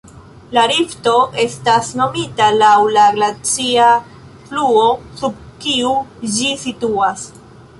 La rifto estas nomita laŭ la glacia fluo sub kiu ĝi situas.